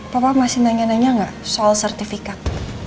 papa masih nanya nanya gak soal sertifikat